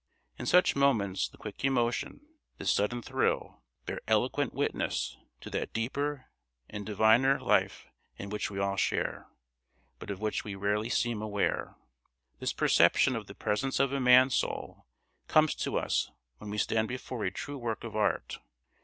In such moments the quick emotion, the sudden thrill, bear eloquent witness to that deeper and diviner life in which we all share, but of which we rarely seem aware. This perception of the presence of a man's soul comes to us when we stand before a true work of art.